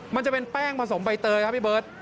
มันจะเป็นแป้งผสมใบเตยครับพี่เบิร์ต